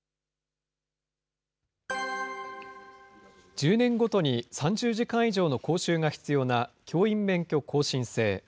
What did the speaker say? １０年ごとに３０時間以上の講習が必要な教員免許更新制。